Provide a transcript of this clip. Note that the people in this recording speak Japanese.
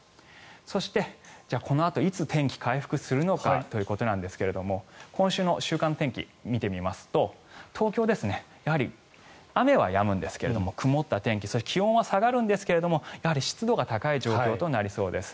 そして、このあといつ天気回復するのかということですが今週の週間天気を見てみますと東京ですね雨はやむんですが曇った天気そして気温は下がるんですが湿度は高い状況となりそうです。